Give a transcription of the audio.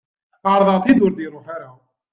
Ɛerḍeɣ-t-id, ur d-iruḥ ara.